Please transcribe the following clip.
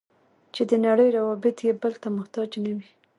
چې د نړۍ روابط یې بل ته محتاج نه وي.